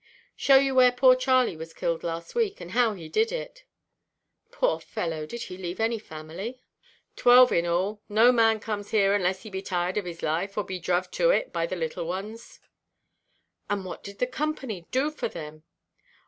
Show you where poor Charley was killed last week, and how he did it." "Poor fellow! Did he leave any family?" "Twelve in all. No man comes here, unless he be tired of his life, or be druv to it by the little ones." "And what did the Company do for them?"